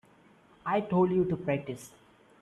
I told you to practice.